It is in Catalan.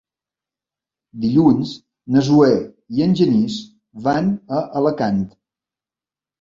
Dilluns na Zoè i en Genís van a Alacant.